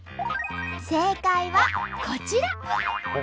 正解はこちら。